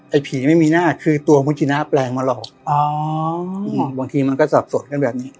ผีไม่มีหน้าคือตัวคุณจีน่าแปลงมาหลอกอ๋อบางทีมันก็สับสนกันแบบนี้